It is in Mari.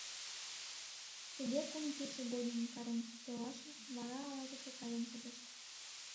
Тыге кум кече годым карен толашышт, вара ала-кушко каен пытышт.